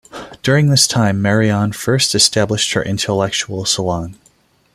During this time, Marianne first established her intellectual salon.